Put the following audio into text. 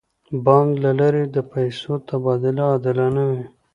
د بانک له لارې د پیسو تبادله عادلانه وي.